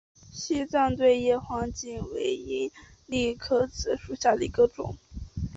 西藏对叶黄堇为罂粟科紫堇属下的一个种。